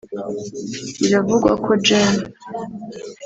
Biravugwa ko Gen